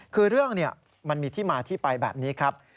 คือเรื่องมันมีที่มาที่ไปแบบนี้ครับ